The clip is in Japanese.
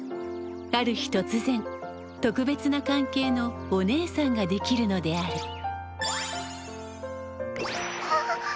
ある日とつぜん特別な関係の「おねえさん」ができるのである。